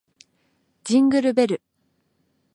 ジングルベル